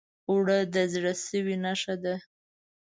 اوړه د زړه سوي نښه ده